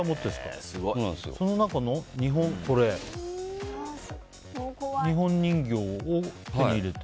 その中の日本人形を手に入れて？